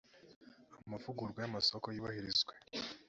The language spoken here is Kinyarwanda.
amavugururwa yamasoko yubahirizwe.